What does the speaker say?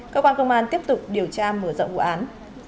cơ quan công an tiếp tục điều tra mở rộng vụ án